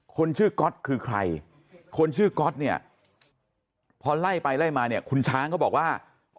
คนชื่อก๊อตคือใครคนชื่อก๊อตเนี่ยพอไล่ไปไล่มาเนี่ยคุณช้างเขาบอกว่า